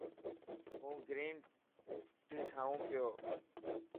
هون گرين ٽي ٺاهيون پيو.